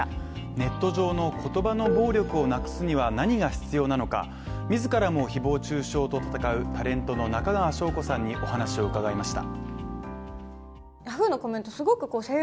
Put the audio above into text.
ネット上の言葉の暴力をなくすには何が必要なのか、自らも誹謗中傷と戦うタレントの中川翔子さんにお話を伺いました。